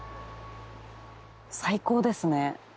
最高ですね。